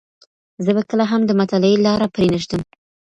زه به کله هم د مطالعې لاره پرې نه ږدم.